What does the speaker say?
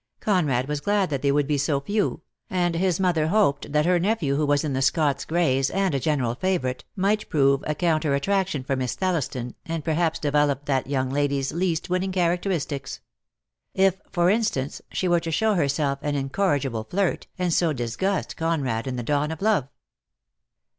Conrad was glad that they would be so few; and his mother hoped that her nephew, who was in the Scots Greys and a general favourite, might prove a counter attraction for Miss Thelliston, and perhaps develop that young lady's least winning characteristics. If, for instance, she were to show herself an incor rigible flirt, and so disgust Conrad in the dawn of love!